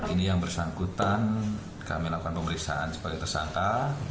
ini yang bersangkutan kami lakukan pemeriksaan sebagai tersangka